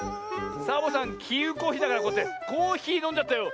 サボさんきうこひだからこうやってコーヒーのんじゃったよ。